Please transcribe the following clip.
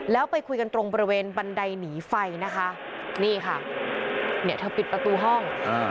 แล้วไปคุยกันตรงบริเวณบันไดหนีไฟนะคะนี่ค่ะเนี่ยเธอปิดประตูห้อง